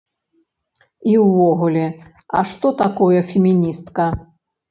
І ўвогуле, а што такое феміністка?